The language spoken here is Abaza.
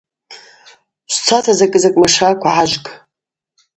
Швцата закӏы-закӏ машакв гӏажвг.